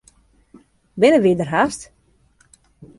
Binne wy der hast?